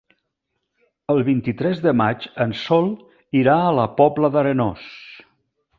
El vint-i-tres de maig en Sol irà a la Pobla d'Arenós.